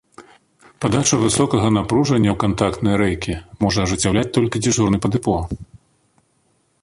Падачу высокага напружання ў кантактныя рэйкі можа ажыццяўляць толькі дзяжурны па дэпо.